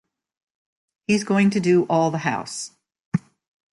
He's going to do all the house.